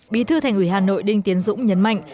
bí thư thành ủy hà nội đinh tiến dũng nhấn mạnh